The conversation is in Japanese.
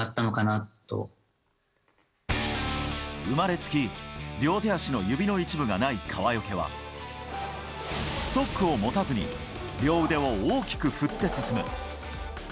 生まれつき両手足の指の一部がない川除はストックを持たずに両腕を大きく振って進む。